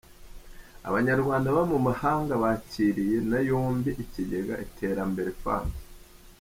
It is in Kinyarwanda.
Abanyarwanda baba mu mahanga bakiriye na yombi Ikigega Iterambere Fund.